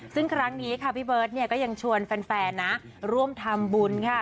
ซึ่งครั้งนี้ค่ะพี่เบิร์ตเนี่ยก็ยังชวนแฟนนะร่วมทำบุญค่ะ